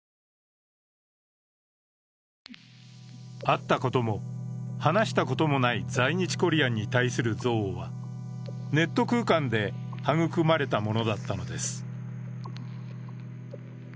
会ったことも話したこともない在日コリアンに対する憎悪は、ネット空間で育まれたものだったのです。